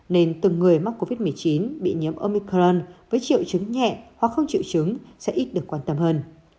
nên từng người mắc covid một mươi chín bị nhiễm omicron với triệu chứng nhẹ hoặc không chịu chứng sẽ ít được quan tâm hơn